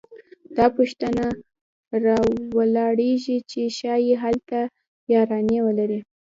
دا پوښتنه راولاړېږي چې ښايي هلته یارانې ولري